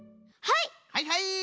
はいはい！